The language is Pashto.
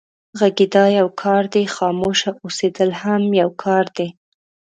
غږېدا يو کار دی، خاموشه اوسېدل هم يو کار دی.